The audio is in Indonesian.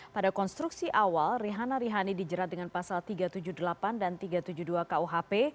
pada konstruksi awal rihana rihani dijerat dengan pasal tiga ratus tujuh puluh delapan dan tiga ratus tujuh puluh dua kuhp